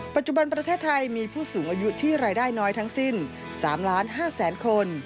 ปัจจุบันประเทศไทยมีผู้สูงอายุที่รายได้น้อยทั้งสิ้น๓๕๐๐๐คน